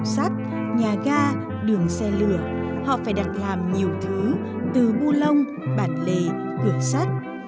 sắt nhà ga đường xe lửa họ phải đặt làm nhiều thứ từ bu lông bản lề cửa sắt